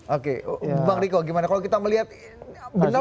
oke bang riko gimana kalau kita melihat benar